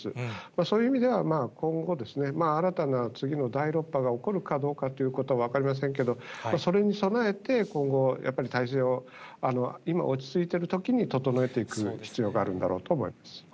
そういう意味では今後ですね、新たな次の第６波が起こるかどうかということは分かりませんけど、それに備えて、今後、やっぱり体制を今、落ち着いているときに整えていく必要があるんだろうと思います。